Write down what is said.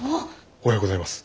おはようございます。